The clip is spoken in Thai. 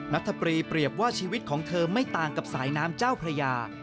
รัฐปรีเปรียบว่าชีวิตของเธอไม่ต่างกับสายน้ำเจ้าพระยา